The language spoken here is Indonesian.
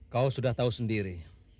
kau sudah tahu sendiri